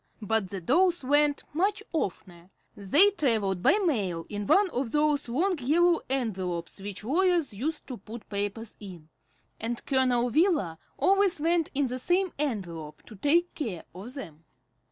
But the dolls went much oftener. They travelled by mail, in one of those long yellow envelopes which lawyers use to put papers in, and Colonel Wheeler always went in the same envelope to take care of them.